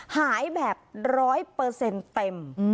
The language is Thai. หายแบบ๑๐๐เต็ม